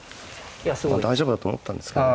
大丈夫だと思ったんですけど。